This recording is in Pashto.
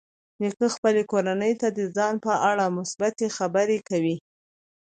نیکه خپل کورنۍ ته د ځان په اړه مثبتې خبرې کوي.